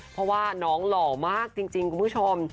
เพราะว่าน้องหล่อมากจริงคุณผู้ชม